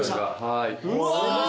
うわ！